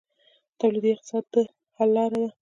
تولیدي اقتصاد د حل لاره ده